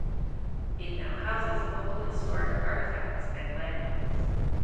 It now houses local historic artifacts and landmarks.